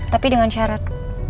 tapi dengan syarat